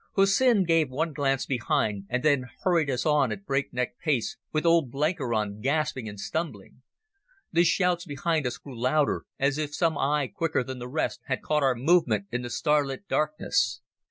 Hussin gave one glance behind and then hurried us on at break neck pace, with old Blenkiron gasping and stumbling. The shouts behind us grew louder, as if some eye quicker than the rest had caught our movement in the starlit darkness.